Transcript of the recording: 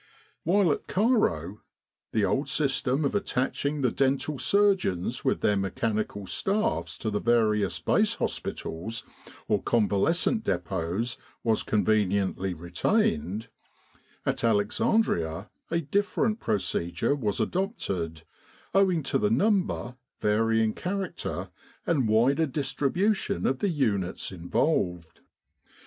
While at Cairo the old system of attaching the dental surgeons with their mechanical staffs to the various Base Hospitals or convalescent dep6ts was conveniently retained, at Alexandria a different pro cedure was adopted, owing to the number, varying 205 With the R.A.M.C. in Egypt character, and wider distribution of the units in volved.